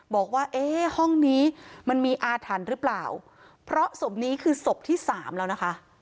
บอกว่าเอ๊ะห้องนี้มันมีอาถรรพ์หรือเปล่าเพราะศพนี้คือศพที่สามแล้วนะคะ